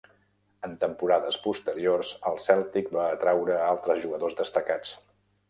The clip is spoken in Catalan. En temporades posteriors, el Celtic va atreure a altres jugadors destacats.